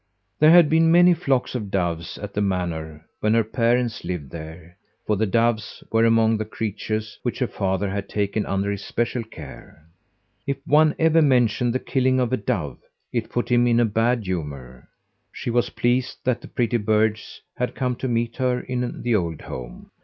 There had been many flocks of doves at the manor when her parents lived there, for the doves were among the creatures which her father had taken under his special care. If one ever mentioned the killing of a dove, it put him in a bad humour. She was pleased that the pretty birds had come to meet her in the old home.